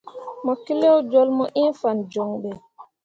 Mo keleo jolle mu ĩĩ fan joŋ ɓe.